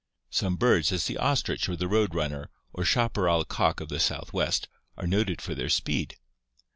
Some birds, as the ostrich or the road runner or chapar ral cock of the Southwest, are noted for their speed.